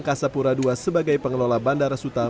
seorang penumpang yang berpura pura sebagai pengelola bandara suta